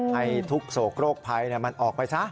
ให้ทุกษโกรคไพเนี่ยมันออกไปซะ